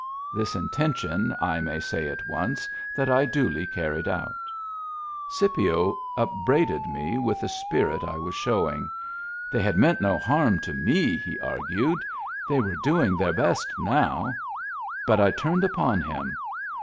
This intention I may say at once that I duly carried out. Scipio upbraided me with the spirit I was showing ; they had meant no harm to me^ he argued ; they were doing their best now — but I turned upon him.